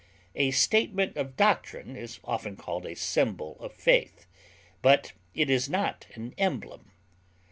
A statement of doctrine is often called a symbol of faith; but it is not an emblem.